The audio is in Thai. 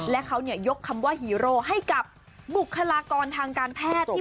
และเขายกคำว่าฮีโร่ให้กับบุคลากรทางการแพทย์